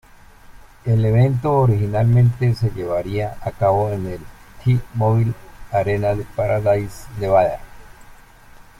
El evento originalmente se llevaría a cabo en el T-Mobile Arena en Paradise, Nevada.